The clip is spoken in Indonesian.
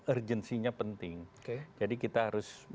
urgensinya penting jadi kita harus